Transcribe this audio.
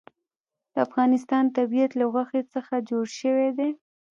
د افغانستان طبیعت له غوښې څخه جوړ شوی دی.